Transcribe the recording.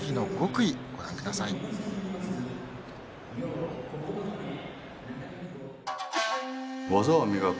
「技を磨く」